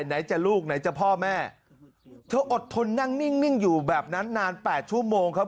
ไหนจะลูกไหนจะพ่อแม่เธออดทนนั่งนิ่งอยู่แบบนั้นนานแปดชั่วโมงครับ